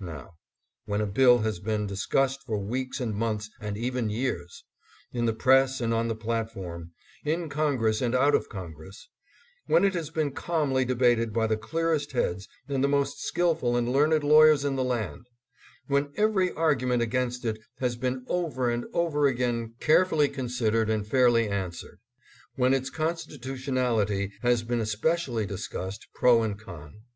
Now, when a bill has been discussed for weeks and months and even years, in the press and on the platform, in Congress and out of Congress; when it has been calmly debated by the clearest heads and the most skill ful and learned lawyers in the land ; when every argu ment against it has been over and over again carefully * considered and fairly answered ; when its constitution ality has been especially discussed, pro and con.